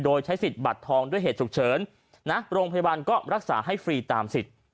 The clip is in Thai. โดยใช้สิทธิ์บัตรทองด้วยเหตุฉุกเฉินนะโรงพยาบาลก็รักษาให้ฟรีตามสิทธิ์